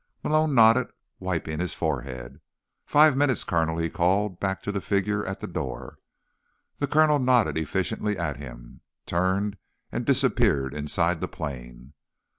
Malone nodded, wiping his forehead. "Five minutes, Colonel," he called back to the figure at the door. The colonel nodded efficiently at him, turned and disappeared inside the plane.